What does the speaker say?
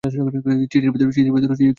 চিঠির ভিতরে কী লেখা আছে?